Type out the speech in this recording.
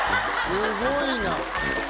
すごいな。